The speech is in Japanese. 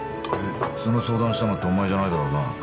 えっその相談したのってお前じゃないだろうな？